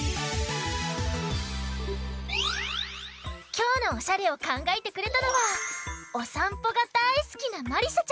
きょうのおしゃれをかんがえてくれたのはおさんぽがだいすきなまりさちゃん。